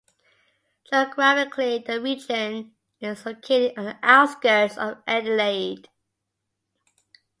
Geographically, the region is located on the outskirts of Adelaide.